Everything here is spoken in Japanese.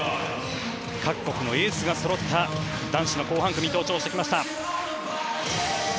各国のエースがそろった男子後半組が登場してきました。